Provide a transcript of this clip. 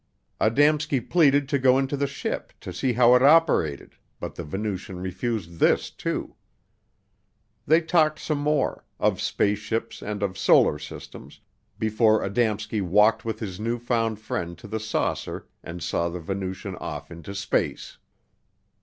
Adamski pleaded to go into the "ship" to see how it operated but the Venusian refused this, too. They talked some more of spaceships and of solar systems before Adamski walked with his new found friend to the saucer and saw the Venusian off into space.